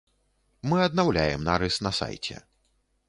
Мы аднаўляем нарыс на сайце.